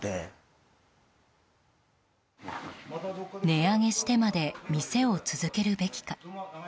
値上げしてまで店を続けるべきか。